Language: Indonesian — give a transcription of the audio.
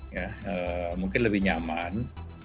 ya mungkin lebih nyaman